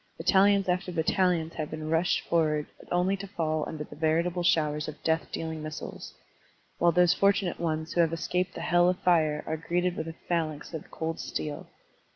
Battalions after battalions have been rushed forward only to fall under the veritable showers of death dealing missiles, while those fortimate ones who have escaped the hell of fire are greeted with a phalanx of cold steel.